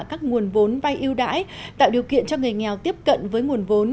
các nguồn vốn bay yêu đãi tạo điều kiện cho người nghèo tiếp cận với nguồn vốn